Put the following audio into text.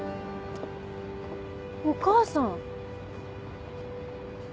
お母さん。